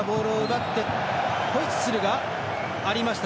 ホイッスルがありました。